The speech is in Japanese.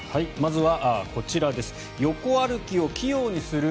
まずはこちらです。